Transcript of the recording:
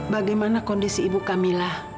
bagaimana kondisi ibu kamila